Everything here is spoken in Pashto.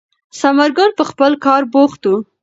ثمر ګل په خپل کار بوخت و.